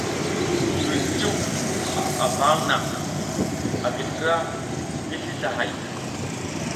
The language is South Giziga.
Sliwiɗ cuw avunaƞʼha, a gi slra ngi sli slahay.